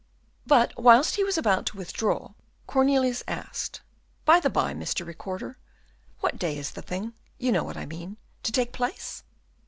But whilst he was about to withdraw, Cornelius asked, "By the bye, Mr. Recorder, what day is the thing you know what I mean to take place?"